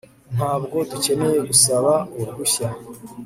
Ntabwo dukeneye gusaba uruhushya